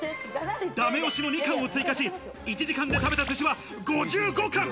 だめ押しの２貫を追加し、１時間で食べた寿司は５５貫。